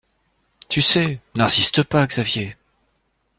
Tu sais. N’insiste pas, Xavier.